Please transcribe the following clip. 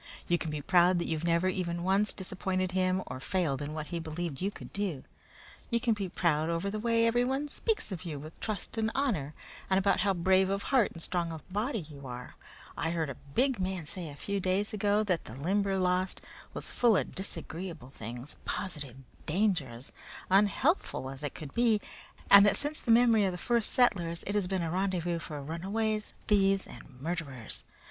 You can be proud that you've never even once disappointed him or failed in what he believed you could do. You can be proud over the way everyone speaks of you with trust and honor, and about how brave of heart and strong of body you are I heard a big man say a few days ago that the Limberlost was full of disagreeable things positive dangers, unhealthful as it could be, and that since the memory of the first settlers it has been a rendezvous for runaways, thieves, and murderers.